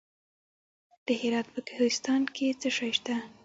د هرات په کهسان کې څه شی شته؟